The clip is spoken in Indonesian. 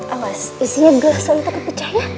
awas isinya geles sekali kaku pecahnya